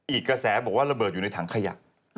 อีกกระแสบอกว่าระเบิดอยู่ในถังขยะ